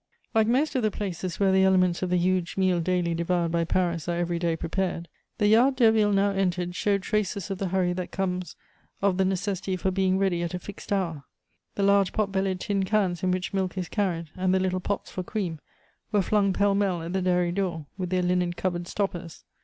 Like most of the places where the elements of the huge meal daily devoured by Paris are every day prepared, the yard Derville now entered showed traces of the hurry that comes of the necessity for being ready at a fixed hour. The large pot bellied tin cans in which milk is carried, and the little pots for cream, were flung pell mell at the dairy door, with their linen covered stoppers.